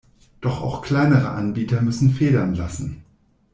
Doch auch kleinere Anbieter müssen Federn lassen.